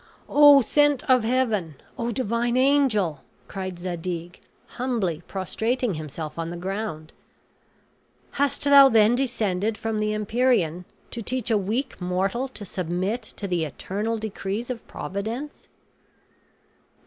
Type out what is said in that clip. "O sent of heaven! O divine angel!" cried Zadig, humbly prostrating himself on the ground," hast thou then descended from the Empyrean to teach a weak mortal to submit to the eternal decrees of Providence?"